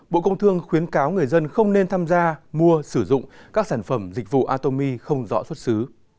bộ công thương khuyến cáo người dân không nên tham gia mua sử dụng các sản phẩm dịch vụ atomi không rõ xuất xứ